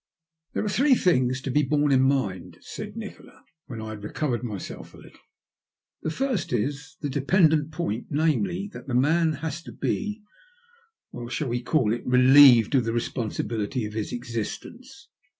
" T^HERE are three things to be borne in mind/' X said Nikola, when I had recovered myself a little: "the first is the dependent point, namely, that the man has to be, well, shall we call it, relieved of the responsibility of his existence